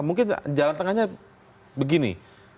mungkin jalan tengahnya begini